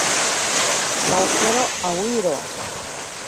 Pokero awiro.